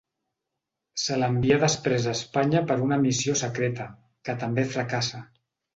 Se l'envia després a Espanya per una missió secreta, que també fracassa.